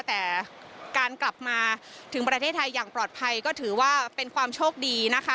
แต่การกลับมาถึงประเทศไทยอย่างปลอดภัยก็ถือว่าเป็นความโชคดีนะคะ